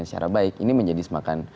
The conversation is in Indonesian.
secara baik ini menjadi semakin